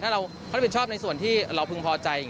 ถ้าเขารับผิดชอบในส่วนที่เราพึงพอใจ